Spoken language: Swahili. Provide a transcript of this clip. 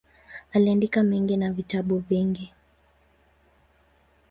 Aliandika mengi na vitabu vingi.